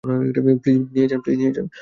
Please নিয়ে যান।